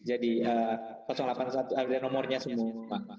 delapan puluh satu ada nomornya sebenarnya